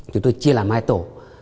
chúng tôi chia làm hai tổ